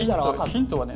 ヒントはね